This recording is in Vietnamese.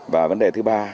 và vấn đề thứ ba